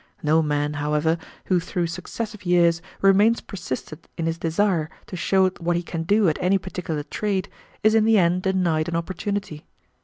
No man, however, who through successive years remains persistent in his desire to show what he can do at any particular trade, is in the end denied an opportunity.